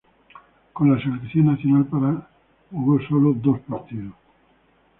Con la selección nacional para jugó solo dos partidos.